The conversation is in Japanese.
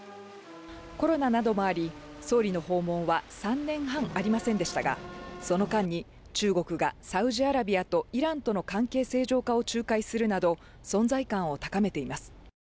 コロナなどもあり、総理の訪問は３年半ありませんでしたがその間に中国がサウジアラビアとイランとの関係正常化を仲介するなど、存在感を高めています。